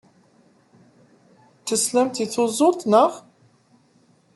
Teslamt i tusut, naɣ?